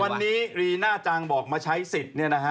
วันนี้รีน่าจังบอกมาใช้สิทธิ์เนี่ยนะฮะ